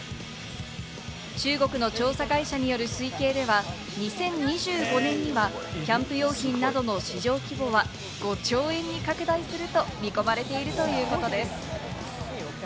中国の調査会社による推計では２０２５年にはキャンプ用品などの市場規模は５兆円に拡大すると見込まれているということです。